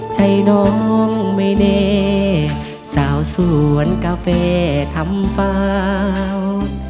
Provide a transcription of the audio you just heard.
ใจน้องไม่แน่สาวสวนกาแฟทำฟ้า